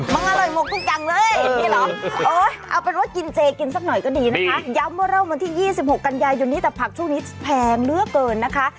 มันอร่อยหมดทุกอย่างเลยอย่างนี้เหรอเอาเป็นว่ากินเจกินสักหน่อยก็ดีนะคะย้ำว่าเริ่มวันที่๒๖กันยายนนี้แต่ผักช่วงนี้แพงเหลือเกินนะคะ